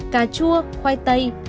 cà chua khoai tây cà mì